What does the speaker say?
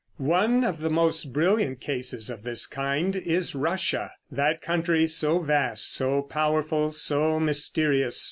] One of the most brilliant cases of this kind is Russia, that country so vast, so powerful, so mysterious.